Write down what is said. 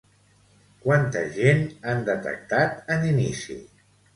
Quanta gent han detectat en inici?